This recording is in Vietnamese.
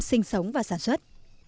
sinh sống và sản xuất